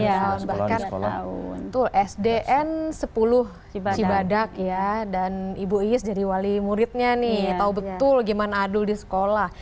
iya bahkan sdn sepuluh cibadak ya dan ibu iis jadi wali muridnya nih tahu betul gimana adul di sekolah